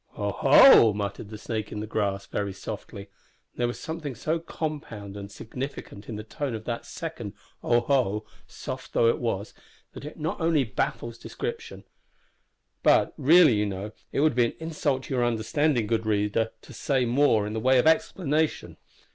"O ho!" muttered the snake in the grass, very softly; and there was something so compound and significant in the tone of that second "O ho!" soft though it was, that it not only baffles description, but really, you know, it would be an insult to your understanding, good reader, to say more in the way of explanation!